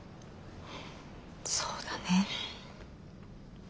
そうだね。